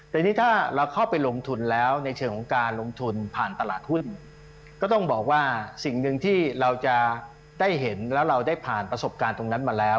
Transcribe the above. แต่นี่ถ้าเราเข้าไปลงทุนแล้วในเชิงของการลงทุนผ่านตลาดหุ้นก็ต้องบอกว่าสิ่งหนึ่งที่เราจะได้เห็นแล้วเราได้ผ่านประสบการณ์ตรงนั้นมาแล้ว